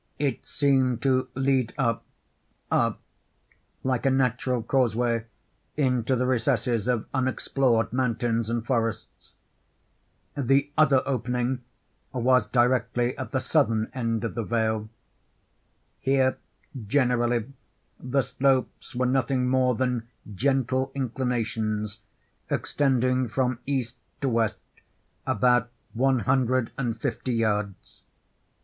It seemed to lead up, up like a natural causeway, into the recesses of unexplored mountains and forests. The other opening was directly at the southern end of the vale. Here, generally, the slopes were nothing more than gentle inclinations, extending from east to west about one hundred and fifty yards.